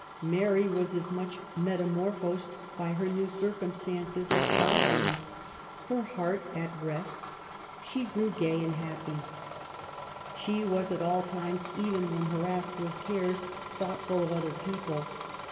Mary was as much metamorphosed by her new cir« cumstances as Godwin. Her heart at rest, she grew 190 MAHY WOLLSTONECBAFT GODWIN. gay and happy. She was at all times^ even when ha rassed with cares, thoughtful of other people.